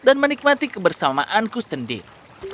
dan menikmati kebersamaanku sendiri